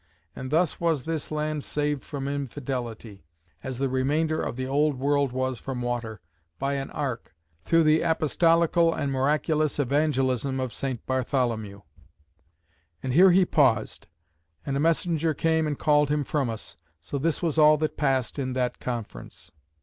And thus was this land saved from infidelity (as the remainder of the old world was from water) by an ark, through the apostolical and miraculous evangelism of Saint Bartholomew." And here he paused, and a messenger came, and called him from us. So this was all that passed in that conference.